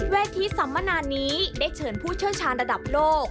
เวทีสัมมนานนี้ได้เฉินผู้เชื่อชาญระดับโลก